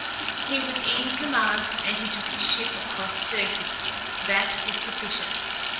"He was in command, and he took his ship across thirty!" That was sufficient.